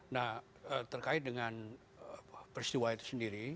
nah terkait dengan peristiwa itu sendiri